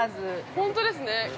◆本当ですね。